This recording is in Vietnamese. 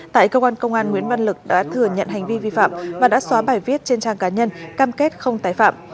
tại cơ quan công an nguyễn văn lực đã thừa nhận hành vi vi phạm và đã xóa bài viết trên trang cá nhân cam kết không tái phạm